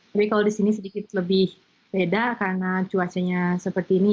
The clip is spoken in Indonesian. tapi kalau di sini sedikit lebih beda karena cuacanya seperti ini